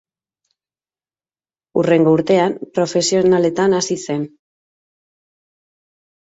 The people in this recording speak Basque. Hurrengo urtean, profesionaletan hasi zen.